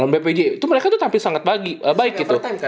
bpj itu mereka tuh tampil sangat baik gitu